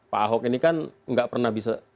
pak ahok ini kan nggak pernah bisa